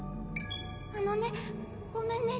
あのねごめんね。